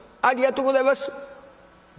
ありがとうございます！」。